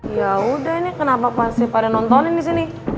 yaudah nih kenapa pasti pada nontonin disini